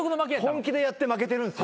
本気でやって負けてるんすよ。